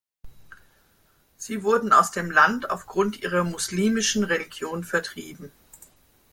Sie wurden aus dem Land aufgrund ihrer muslimischen Religion vertrieben.